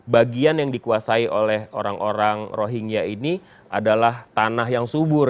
bagian yang dikuasai oleh orang orang rohingya ini adalah tanah yang subur